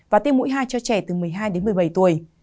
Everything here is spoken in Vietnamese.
và tiêm mũi hai cho trẻ từ một mươi hai đến một mươi bảy tuổi